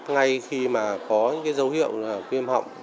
ngay khi có dấu hiệu viêm họng